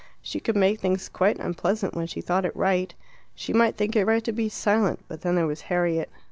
She could make things quite unpleasant when she thought it right. She might think it right to be silent, but then there was Harriet.